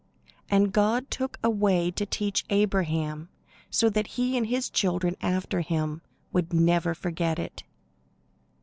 And God took a way to teach Abraham, so that he and his children after him would never forget it.